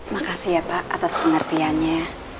makasih ya pak atas pengertiannya